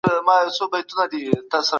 موږ دا ټول پېژنو.